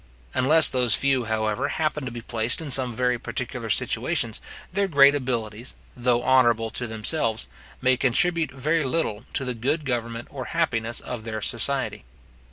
Unless those few, however, happen to be placed in some very particular situations, their great abilities, though honourable to themselves, may contribute very little to the good government or happiness of their society.